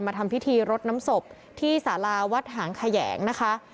ทำพิธีรดน้ำศพที่สาราวัดหางแขยงนะคะ